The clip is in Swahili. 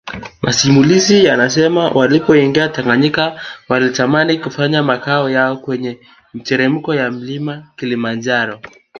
Masimulizi yanasema walipoingia Tanganyika walitamani kufanya makao yao kwenye miteremko ya Mlima Kilimanjaro